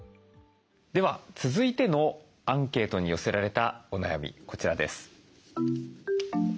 では続いてのアンケートに寄せられたお悩みこちらです。